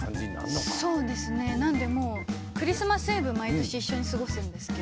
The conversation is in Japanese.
なのでもう、クリスマスイブ、毎年一緒に過ごすんですけど。